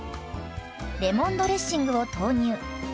レモンドレッシングを投入。